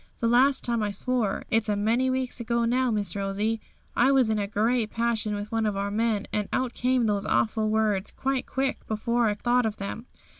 The last time I swore (it's a many weeks ago now, Miss Rosie), I was in a great passion with one of our men, and out came those awful words, quite quick, before I thought of them.